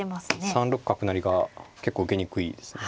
３六角成が結構受けにくいですね。